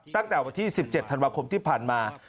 ตั้งแต่วันที่๑๗ธันวาคมที่ผ่านมา